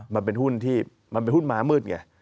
มันเป็นหุ้นมามืด